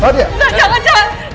berapa lama mbak bekerja seperti ini